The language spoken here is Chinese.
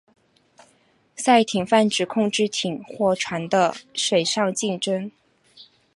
赛艇泛指控制艇或船的水上竞赛。